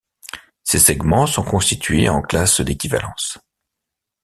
Ces segments sont constitués en classes d'équivalence.